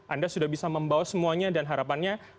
anda sudah bisa membawa semuanya dan harapannya